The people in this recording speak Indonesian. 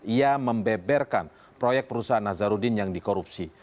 ia membeberkan proyek perusahaan nazarudin yang dikorupsi